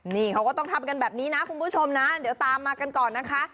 นี่เขาก็ต้องทำกันแบบนี้นะคุณผู้ชมนะเดี๋ยวตามมากันก่อนนะคะ